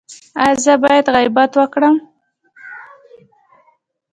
ایا زه باید غیبت وکړم؟